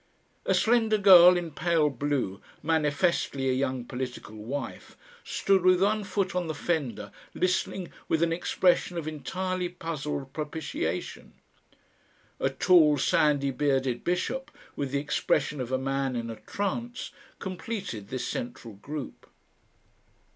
A slender girl in pale blue, manifestly a young political wife, stood with one foot on the fender listening with an expression of entirely puzzled propitiation. A tall sandy bearded bishop with the expression of a man in a trance completed this central group.